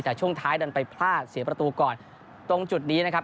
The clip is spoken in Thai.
แต่ช่วงท้ายดันไปพลาดเสียประตูก่อนตรงจุดนี้นะครับ